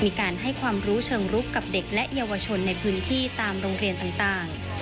มีการให้ความรู้เชิงรุกกับเด็กและเยาวชนในพื้นที่ตามโรงเรียนต่าง